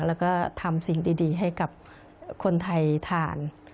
แล้วก็ทำสิ่งดีให้กับคนไทยทาน